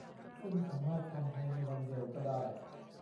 ซึ่งสามารถทำภายในวันเดียวก็ได้